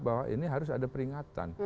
bahwa ini harus ada peringatan